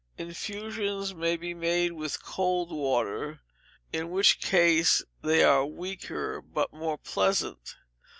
Infusions may be made with cold water, in which case they are weaker, but more pleasant.